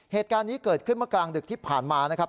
เหตุการณ์นี้เกิดขึ้นเมื่อกลางดึกที่ผ่านมานะครับ